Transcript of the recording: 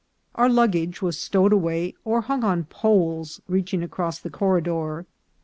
Our luggage was stowed away or hung on poles reaching across the corridor.